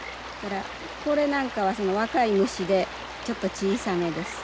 これなんかは若い虫でちょっと小さめです。